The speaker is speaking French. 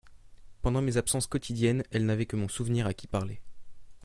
Pendant mes absences quotidiennes, elle n'avait que mon souvenir à qui parler.